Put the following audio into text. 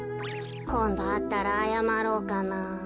こんどあったらあやまろうかな。